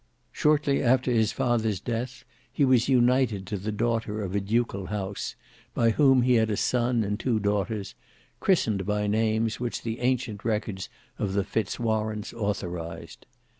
Shortly after his father's death he was united to the daughter of a ducal house, by whom he had a son and two daughters, chrisened by names which the ancient records of the Fitz Warenes authorised.